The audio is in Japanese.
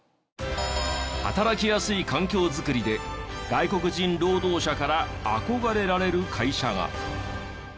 働きやすい環境作りで外国人労働者から憧れられる会社が。